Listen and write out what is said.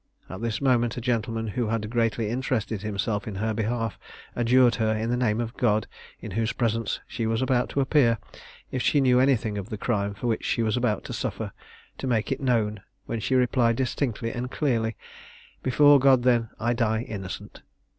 At this moment a gentleman who had greatly interested himself in her behalf adjured her, in the name of that God in whose presence she was about to appear, if she knew anything of the crime for which she was about to suffer, to make it known; when she replied distinctly and clearly, "Before God then, I die innocent!"